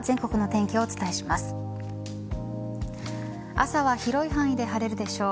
朝は広い範囲で晴れるでしょう。